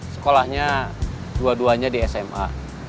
sekolahnya dua duanya di sma